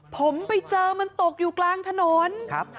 ผมไปเจอมันตกอยู่กลางถนน